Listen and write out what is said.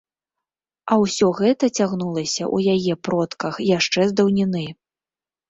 А ўсё гэта цягнулася ў яе продках яшчэ з даўніны.